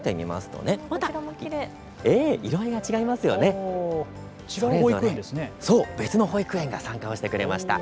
それぞれ別の保育園が参加してくれました。